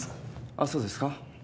あっそうですか。